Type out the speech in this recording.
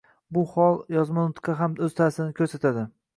Bu holat yozma nutqqa ham oʻz taʼsirini koʻrsatadi